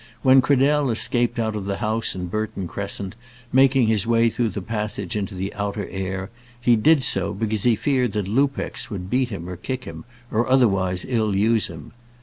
When Cradell escaped out of the house in Burton Crescent, making his way through the passage into the outer air, he did so because he feared that Lupex would beat him or kick him, or otherwise ill use him.